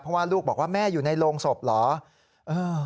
เพราะว่าลูกบอกว่าแม่อยู่ในโรงศพเหรอ